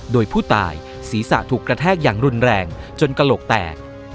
โดยผู้ตายศีรษะถูกกระแทกอย่างรุนแรงจนกระโหลกแตก